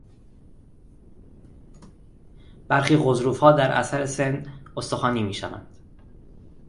برخی غضروفها در اثر سن استخوانی میشوند.